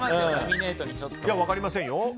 いえ、分かりませんよ。